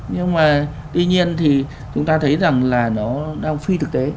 nhưng mà tuy nhiên thì chúng ta thấy rằng là nó đang phi thực tế